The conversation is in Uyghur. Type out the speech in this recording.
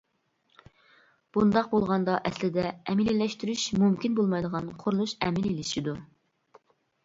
بۇنداق بولغاندا ئەسلىدە ئەمەلىيلەشتۈرۈش مۇمكىن بولمايدىغان قۇرۇلۇش ئەمەلىيلىشىدۇ.